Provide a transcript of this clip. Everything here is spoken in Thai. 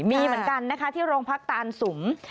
มีเหมือนกันนะคะที่โรงพักตานสุม